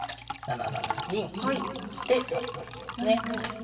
７七銀そして３三銀ですね。